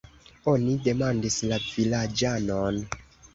Oni demandis la vilaĝanon.